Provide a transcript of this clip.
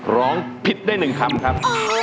ร้องผิดได้๑คำครับ